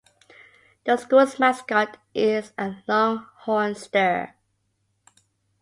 The school's mascot is a longhorn steer.